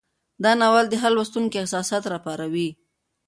دا ناول د هر لوستونکي احساسات راپاروي.